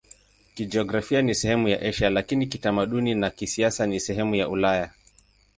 Kijiografia ni sehemu ya Asia, lakini kiutamaduni na kisiasa ni sehemu ya Ulaya.